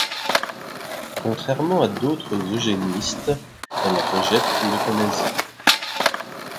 Contrairement à d'autres eugénistes, elle rejette l'euthanasie.